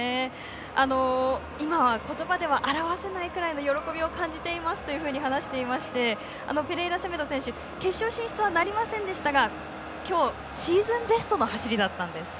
今はことばでは表せないくらいの喜びを感じていますと話していましてペレイラセメド選手決勝進出はなりませんでしたがきょう、シーズンベストの走りだったんです。